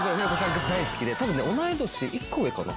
多分ね同い年１個上かな。